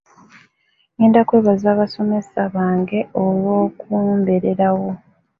Ngenda kwebaza basomesa bange olw'okumbererawo.